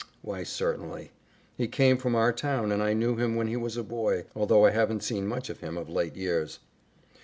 "Why, certainly. He came from our town and I knew him when he was a boy, although I haven't seen much of him of late years."